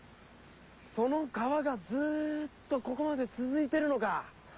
その川がずっとここまでつづいてるのか。